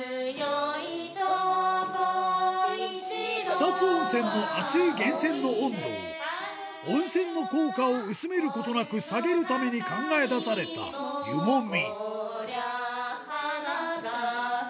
草津温泉の熱い源泉の温度を、温泉の効果を薄めることなく下げるために考え出された湯もみ。